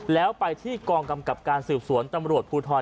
แล้วไปที่กองกำกับการสืบสวนตำรวจภูทร